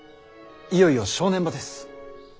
いよいよ正念場です。